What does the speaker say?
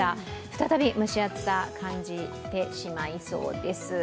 再び蒸し暑さ、感じてしまいそうです。